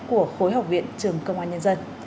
của khối học viện trường công an nhân dân